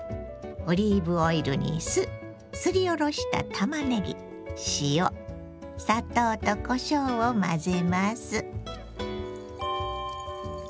オリーブオイルに酢すりおろしたたまねぎ塩砂糖とこしょうを混ぜます。